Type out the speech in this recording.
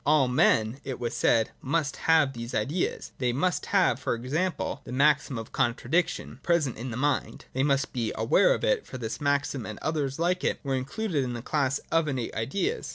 All men, it was said, must have these ideas ; they must have, for example, the maxim of contradiction, present in the mind, — they must be aware of it ; for this maxim and others like it were included in the class of Innate ideas.